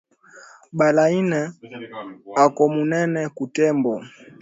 Baleine eko munene ku tembo